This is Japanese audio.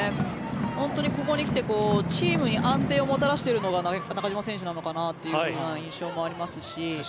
本当にここに来てチームに安定をもたらしているのが中島選手なのかなという印象もありますし